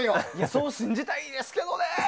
そう信じたいですけどね。